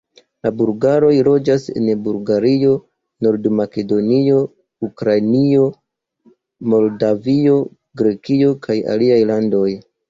La bulgaroj loĝas en Bulgario, Nord-Makedonio, Ukrainio, Moldavio, Grekio kaj aliaj landoj.